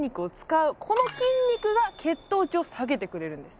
この筋肉が血糖値を下げてくれるんです。